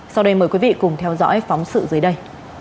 sau đây mời quý vị cùng theo dõi phóng sự dưới đây